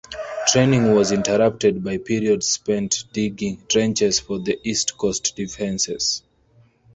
Training was interrupted by periods spent digging trenches for the East Coast defences.